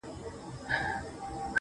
دغه زرين مخ~